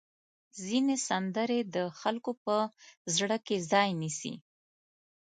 ځینې سندرې د خلکو په زړه کې ځای نیسي.